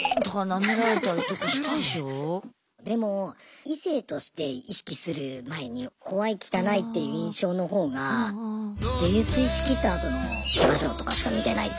なんつってでも異性として意識する前に怖い汚いっていう印象の方が泥酔しきったあとのキャバ嬢とかしか見てないと。